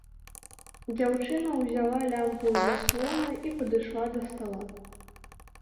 Дзяўчына ўзяла лямпу з заслона і падышла да стала.